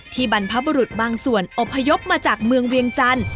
บรรพบุรุษบางส่วนอบพยพมาจากเมืองเวียงจันทร์